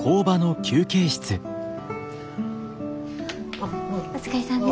お疲れさんです。